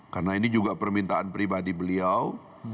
karena ini juga permintaan pribadi beliau